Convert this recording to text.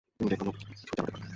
তুমি যেকোনো কিছু চালাতে পারো।